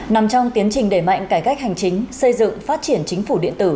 nằm trong tiến trình đẩy mạnh cải cách hành chính xây dựng phát triển chính phủ điện tử